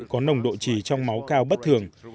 có nồng độ trì trong máu cao bất thường